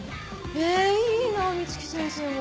えいいな美月先生も。